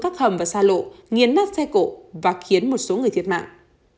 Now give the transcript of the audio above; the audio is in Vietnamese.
các hầm và xa lộ nghiến nát xe cổ và khiến một số người thiệt mạng